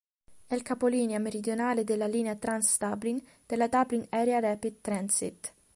È il capolinea meridionale della linea Trans-Dublin della Dublin Area Rapid Transit.